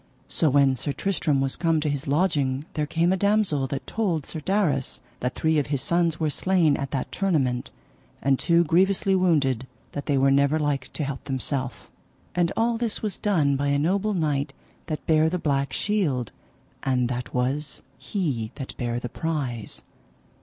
So when Sir Tristram was come to his lodging there came a damosel that told Sir Darras that three of his sons were slain at that tournament, and two grievously wounded that they were never like to help themself. And all this was done by a noble knight that bare the black shield, and that was he that bare the prize.